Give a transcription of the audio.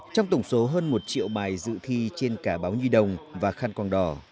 trong tổng số hơn một triệu bài dự thi trên cả báo nhi đồng và khăn quang đỏ